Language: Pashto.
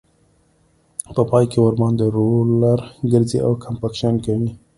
په پای کې ورباندې رولر ګرځي او کمپکشن کوي